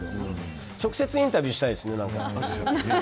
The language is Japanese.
直接インタビューしたいな。